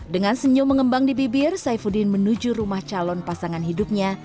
dengan senyum mengembang di bibir saifuddin menuju rumah calon pasangan hidupnya